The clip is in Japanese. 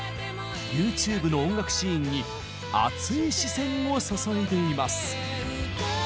ＹｏｕＴｕｂｅの音楽シーンに熱い視線を注いでいます。